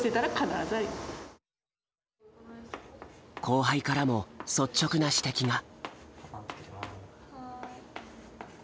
後輩からも率直な指摘が。